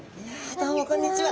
どうもこんにちは。